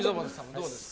どうですか？